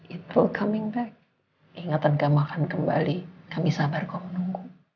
ingatan kamu akan kembali kami sabar kau menunggu